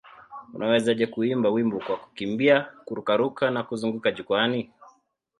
Unawezaje kuimba wimbo kwa kukimbia, kururuka na kuzunguka jukwaani?